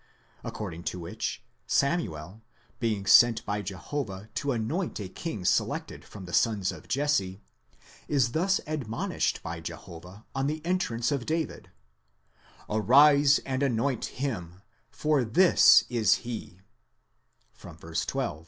according to which Samuel, being sent by Jehovah to anoint a king selected from the sons of Jesse, is thus admonished by Jehovah on the entrance of David: Arise and anoint him, for this is he (vy. 12).